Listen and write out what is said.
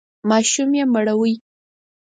ماشوم یې مړوئ!